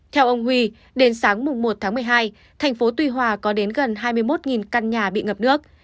theo ông huy đến sáng một tháng một mươi hai thành phố tuy hòa có đến gần hai mươi một căn nhà bị ngập nước